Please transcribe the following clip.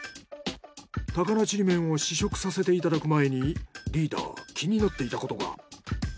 高菜ちりめんを試食させていただく前にリーダー気になっていたことが。